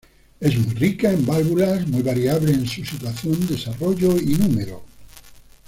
Es muy rica en válvulas, muy variables en su situación, desarrollo y número.